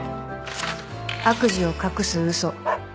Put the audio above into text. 悪事を隠す嘘。